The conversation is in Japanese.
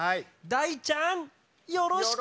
大ちゃんよろしく！